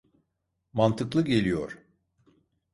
Mantıklı geliyor.